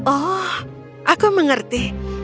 oh aku mengerti